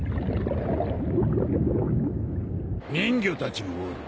人魚たちもおる。